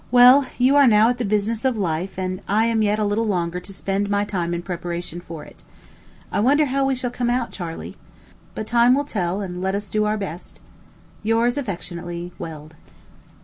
Well, you are now at the business of life, and I am yet a little longer to spend my time in preparation for it. I wonder how we shall come out, Charley? But time will tell, and let us do our best. Yours affectionately, WELD.